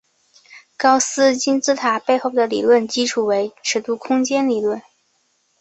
高斯金字塔背后的理论基础为尺度空间理论。